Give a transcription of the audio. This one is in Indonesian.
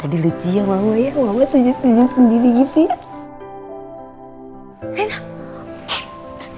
tadi lucu ya mama ya mama setuju sendiri setuju sendiri gitu